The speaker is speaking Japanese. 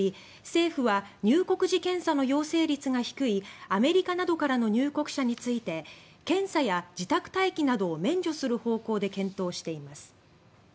政府は入国時検査の陽性率が低いアメリカなどからの入国者について検査や自宅待機などを免除する方向で検討しています。